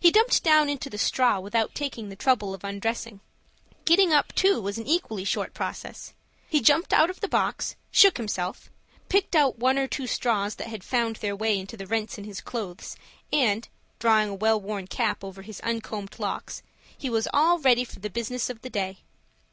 He dumped down into the straw without taking the trouble of undressing. Getting up too was an equally short process. He jumped out of the box, shook himself, picked out one or two straws that had found their way into rents in his clothes, and, drawing a well worn cap over his uncombed locks, he was all ready for the business of the day.